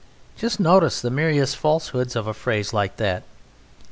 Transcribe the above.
Just notice the myriad falsehoods of a phrase like that!